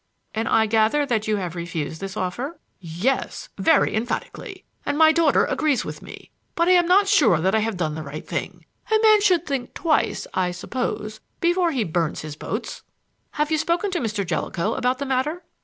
"And I gather that you have refused this offer?" "Yes; very emphatically, and my daughter agrees with me; but I am not sure that I have done the right thing. A man should think twice, I suppose, before he burns his boats." "Have you spoken to Mr. Jellicoe about the matter?"